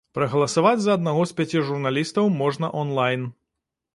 Прагаласаваць за аднаго з пяці журналістаў можна он-лайн.